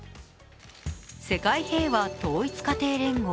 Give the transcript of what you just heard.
世界平和統一家庭連合。